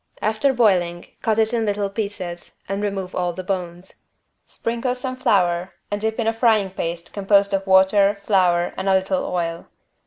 After boiling cut it in little pieces and remove all the bones. Sprinkle some flour and dip in a frying paste composed of water, flour and a little oil.